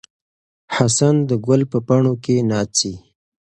حسن د ګل په پاڼو کې ناڅي.